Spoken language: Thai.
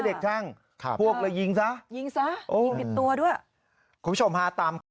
ต้องเป็นตัวด้วยคุณผู้ชมพาตาม